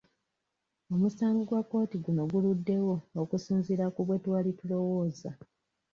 Omusanga gwa kkooti guno guluddewo okusinziira ku bwe twali tulowooza.